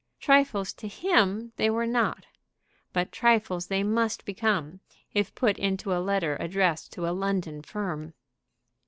Trifles to him they were not; but trifles they must become, if put into a letter addressed to a London firm.